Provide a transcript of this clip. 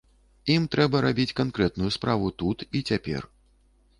Ім трэба рабіць канкрэтную справу тут і цяпер.